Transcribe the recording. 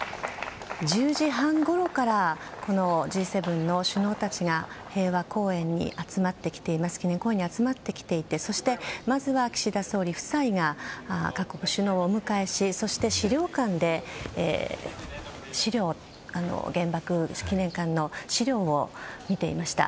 １０時半ごろからＧ７の首脳たちが平和記念公園に集まってきていてそして、まずは岸田総理夫妻が各国首脳をお迎えしそして資料館で原爆記念館の資料を見ていました。